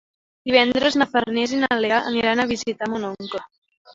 Divendres na Farners i na Lea aniran a visitar mon oncle.